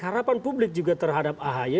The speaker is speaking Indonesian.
harapan publik juga terhadap ahy